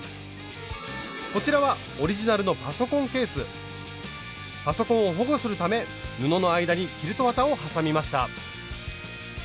こちらはオリジナルのパソコンを保護するため布の間にキルト綿を挟みました。